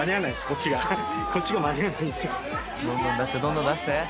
どんどん出してどんどん出して。